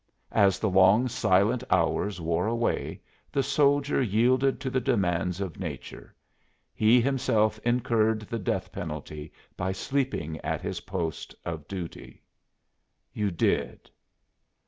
As the long silent hours wore away the soldier yielded to the demands of nature: he himself incurred the death penalty by sleeping at his post of duty." "You did."